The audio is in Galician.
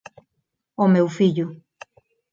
O meu fillo.